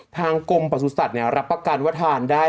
ทางกรมประสุทธิ์รับประกันว่าทานได้